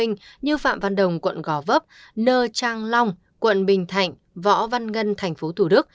như phạm văn đồng quận gò vấp nơ trang long quận bình thạnh võ văn ngân tp tq